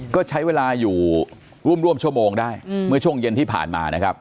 ก็ใช้เวลาอยู่ร่วมชั่วโมงได้เมื่อช่วงเย็นที่ผ่านมานะครับ